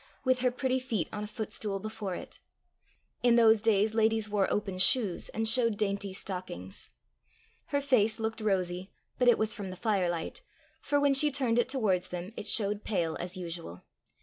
with her pretty feet on a footstool before it: in those days ladies wore open shoes, and showed dainty stockings. Her face looked rosy, but it was from the firelight, for when she turned it towards them, it showed pale as usual.